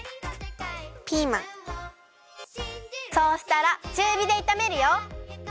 そうしたらちゅうびでいためるよ。